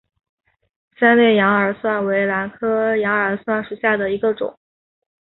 三裂羊耳蒜为兰科羊耳蒜属下的一个种。